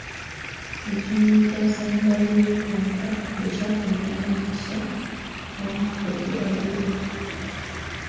Ekinnyonyi ekyasembayo okutuunga bwe kyakomyawo empiso, Wankoko teyaliiwo.